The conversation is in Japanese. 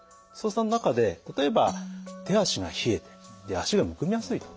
その中で例えば手足が冷えて足がむくみやすいと。